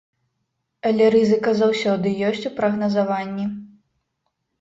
Але рызыка заўсёды ёсць у прагназаванні.